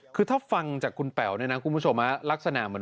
พระอาจารย์ออสบอกว่าอาการของคุณแป๋วผู้เสียหายคนนี้อาจจะเกิดจากหลายสิ่งประกอบกัน